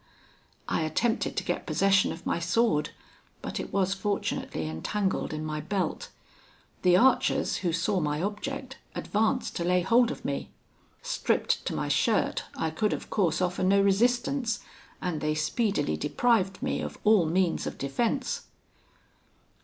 I attempted to get possession of my sword; but it was fortunately entangled in my belt. The archers, who saw my object, advanced to lay hold of me. Stript to my shirt, I could, of course, offer no resistance, and they speedily deprived me of all means of defence.